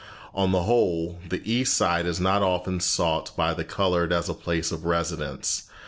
On the whole, the East Side is not often sought by the colored as a place of residence.